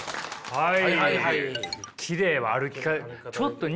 はい。